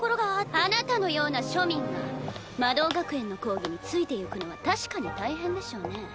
あなたのような庶民が魔導学園の講義についてゆくのは確かに大変でしょうね。